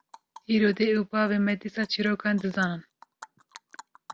Îro dê û bavê me dîsa çîrokan dizanin